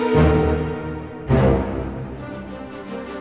tetapimin lu dong